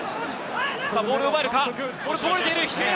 ボールを奪えるか。